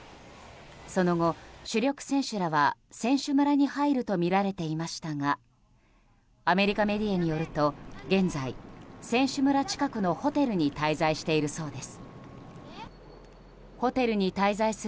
その後、主力選手らは選手村に入るとみられていましたがアメリカメディアによると現在、選手村近くのホテルに滞在しているそうです。